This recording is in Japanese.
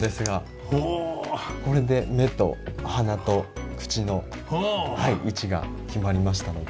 これで目と鼻と口の位置が決まりましたので。